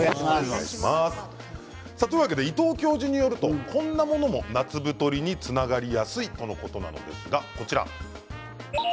伊藤教授によるとこんなものも夏太りにつながりやすいとのことです。